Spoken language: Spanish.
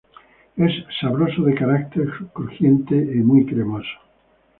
Es sabroso de carácter, crujiente y muy cremoso.